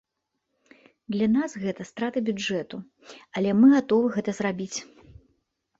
Для нас гэта страты бюджэту, але мы гатовы гэта зрабіць.